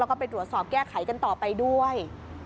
แล้วก็ไปตรวจสอบแก้ไขกันต่อไปด้วย